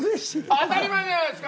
当たり前じゃないすか！